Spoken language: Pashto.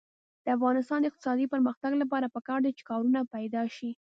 د افغانستان د اقتصادي پرمختګ لپاره پکار ده چې کارونه پیدا شي.